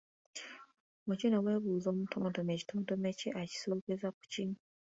Mu kino weebuuza omutontomi ekitontome kye akisookeza ku ki?